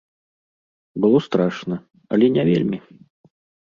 Было страшна, але не вельмі.